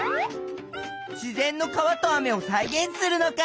自然の川と雨をさいげんするのか。